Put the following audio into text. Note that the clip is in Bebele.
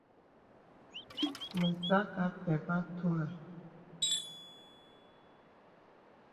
Mə̀ sə̄ akɛ̄ apɛ àturə.